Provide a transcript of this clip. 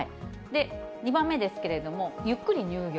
２番目ですけれども、ゆっくり入浴。